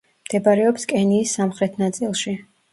მდებარეობს კენიის სამხრეთ ნაწილში.